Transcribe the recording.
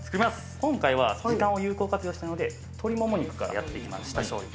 今回は時間を有効活用したいので鶏もも肉からやっていきます、下処理。